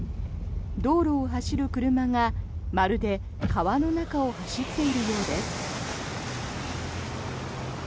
道路を走る車が、まるで川の中を走っているようです。